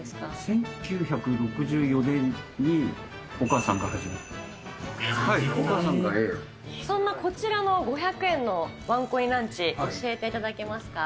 １９６４年にお母さんが始めそんなこちらの５００円のワンコインランチ、教えていただけますか。